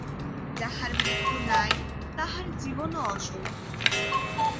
যাহার মৃত্যু নাই, তাহার জীবনও অসম্ভব।